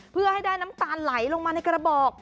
เพื่อให้ได้น้ำตาลไหลลงมาในกระบอก